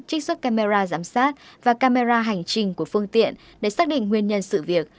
trích xuất camera giám sát và camera hành trình của phương tiện để xác định nguyên nhân sự việc